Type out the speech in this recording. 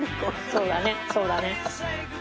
そうだねそうだね。